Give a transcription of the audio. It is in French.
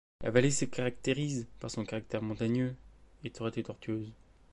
La vallée se caractérise par son caractère montagneux, étroite et tortueuse.